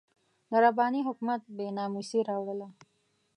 د رباني حکومت بې ناموسي راواړوله.